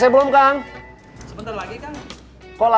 mak mau dong